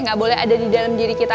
gak boleh ada di dalam diri kita